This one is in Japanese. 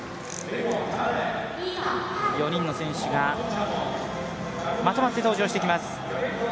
４人の選手がまとまって登場してきます。